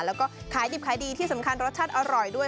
แล้วก็ขายดิบขายดีที่สำคัญรสชาติอร่อยด้วย